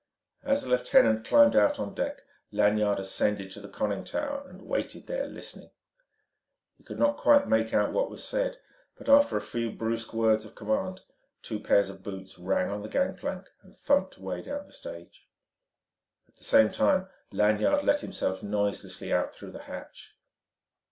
As the lieutenant climbed out on deck, Lanyard ascended to the conning tower and waited there, listening. He could not quite make out what was said; but after a few brusque words of command two pair of boots rang on the gangplank and thumped away down the stage. At the same time Lanyard let himself noiselessly out through the hatch.